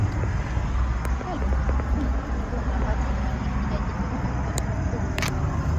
Salum Hamduni kuchukua nafasi ya Brigedia Jenerali John Mbungo